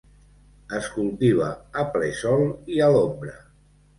Es cultiva a ple sol i a l'ombra.